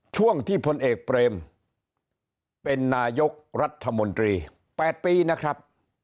ช่วงที่พลเอกเปรมเป็นนายกรัฐมนตรี๘ปีนะครับ